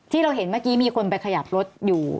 ที่เราเห็นเมื่อกี้มีคนไปขยับรถอยู่